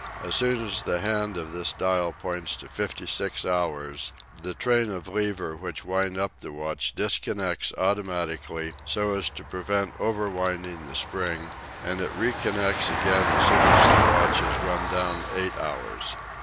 As soon as the hand of this dial points to fifty six hours, the train of levers which wind up the watch dis connects automatically, so as to prevent overwinding the spring, and it reconnects again as soon as the watch has run down eight hours.